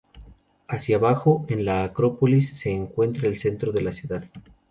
Hacia abajo, en la acrópolis, se encuentra el centro de la ciudad.